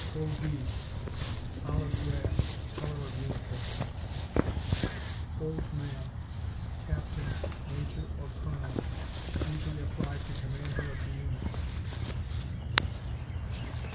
O.D. Olive drab; color of uniform. Old Man Captain, Major or Colonel. Usually applied to commander of the Units.